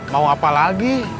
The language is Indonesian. mau apa lagi